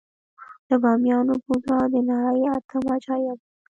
د بامیانو بودا د نړۍ اتم عجایب و